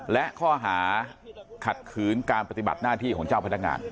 และข้อหาขัดขืนการปฏิบัติหน้าที่ของเจ้าพนักงาน